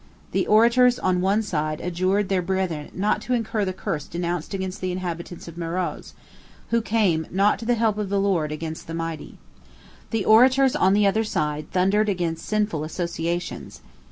The orators on one side adjured their brethren not to incur the curse denounced against the inhabitants of Meroz, who came not to the help of the Lord against the mighty. The orators on the other side thundered against sinful associations.